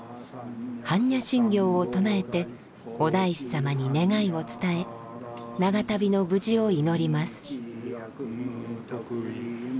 般若心経を唱えてお大師様に「願い」を伝え長旅の無事を祈ります。